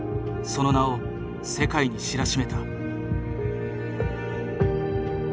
その名を世界に知らしめた。